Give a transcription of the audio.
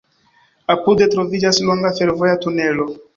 Apude troviĝas longa fervoja tunelo.